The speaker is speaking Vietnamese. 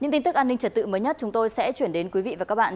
những tin tức an ninh trật tự mới nhất chúng tôi sẽ chuyển đến quý vị và các bạn